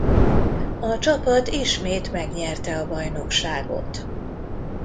A csapat ismét megnyerte a bajnokságot.